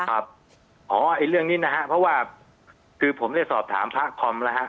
อ๋อไอ้เรื่องนี้นะฮะเพราะว่าคือผมได้สอบถามพระคอมแล้วฮะ